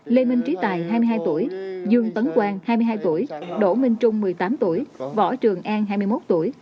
lê minh trí tài hai mươi hai tuổi dương tấn quang hai mươi hai tuổi đỗ minh trung một mươi tám tuổi võ trường an hai mươi một tuổi